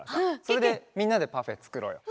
これでみんなでパフェつくろうよ。